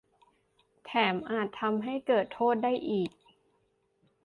- แถมอาจทำให้เกิดโทษได้อีก